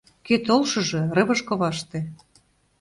Кӧ толшыжо — рывыж коваште